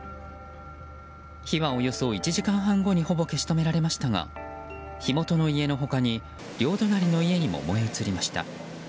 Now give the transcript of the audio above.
火は、およそ１時間半後にほぼ消し止められましたが火元の家の他に両隣の家にも燃え移りました。